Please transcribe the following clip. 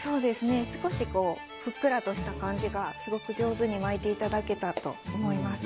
少し、ふっくらとした感じがすごく上手に巻いていただけたと思います。